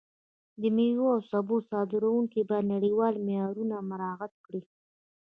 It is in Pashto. د میوو او سبو صادروونکي باید نړیوال معیارونه مراعت کړي.